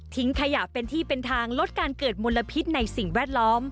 ขยะเป็นที่เป็นทางลดการเกิดมลพิษในสิ่งแวดล้อม